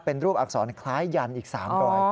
เป็นรูปอักษรคล้ายยันอีก๓รอย